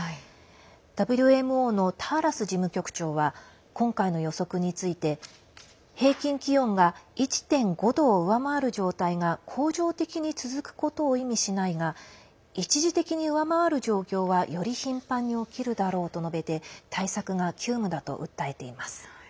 ＷＭＯのターラス事務局長は今回の予測について、平均気温が１．５度を上回る状態が恒常的に続くことを意味しないが一時的に上回る状況はより頻繁に起きるだろうと述べて対策が急務だと訴えています。